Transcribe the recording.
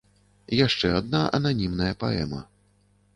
Яшчэ адна ананімная паэма.